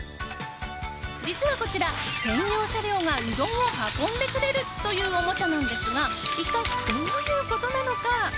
実はこちら、専用車両がうどんを運んでくれるというおもちゃなんですが一体どういうことなのか。